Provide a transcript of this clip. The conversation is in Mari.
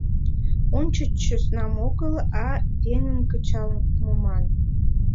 — Ончыч сӧснам огыл, а веҥым кычал муман.